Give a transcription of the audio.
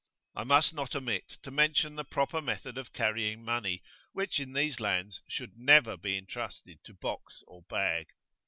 I must not omit to mention the proper method of carrying money, which in these lands should never be entrusted to box or bag.